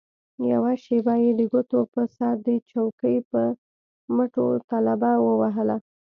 يوه شېبه يې د ګوتو په سر د چوکۍ پر مټو طبله ووهله.